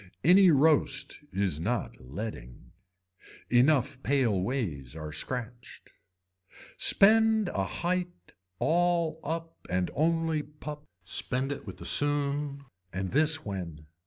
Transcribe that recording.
Any roast is not leading. Enough pale ways are scratched. Spend a height all up and only pup, spend it with the soon. And this when.